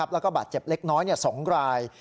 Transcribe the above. แล้วก็บาดเจ็บเล็กน้อย๒ราย